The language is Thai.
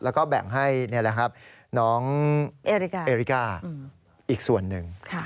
แล้วก็แบ่งให้น้องเอริกาอีกส่วนนึง